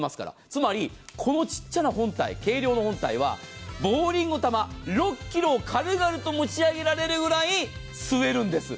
つまりこのちっちゃな計量の本体はボウリングの球６ｋｇを軽々と持ち上げられるぐらい吸えるんです。